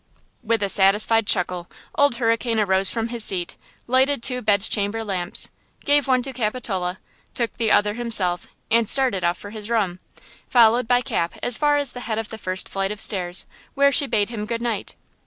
With a satisfied chuckle, Old Hurricane arose from his seat, lighted two bed chamber lamps, gave one to Capitola, took the other himself, and started off for his room, followed by Cap as far as the head of the first flight of stairs, where she bade him good night.